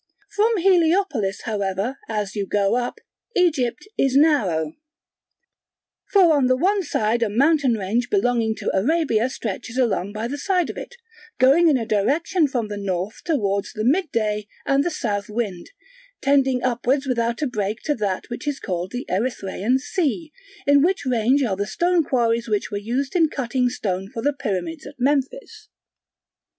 From Heliopolis however, as you go up, Egypt is narrow; for on the one side a mountain range belonging to Arabia stretches along by the side of it, going in a direction from the North towards the midday and the South Wind, tending upwards without a break to that which is called the Erythraian Sea, in which range are the stone quarries which were used in cutting stone for the pyramids at Memphis.